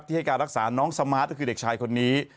ให้การรักษาน้องสมาร์ทก็คือเด็กชายคนนี้